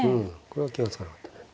これは気が付かなかったね。